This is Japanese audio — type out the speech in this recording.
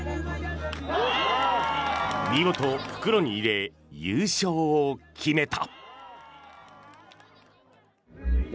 見事、袋に入れ優勝を決めた。